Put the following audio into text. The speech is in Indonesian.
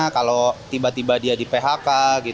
kalau tiba tiba dia di phk